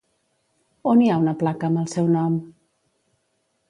On hi ha una placa amb el seu nom?